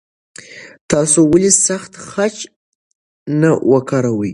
تاسو ولې سخت خج نه وکاروئ؟